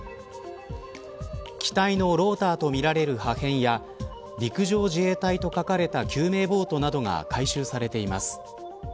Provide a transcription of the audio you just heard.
機体のローターとみられる破片や陸上自衛隊と書かれた救命ボートなどが回収されています。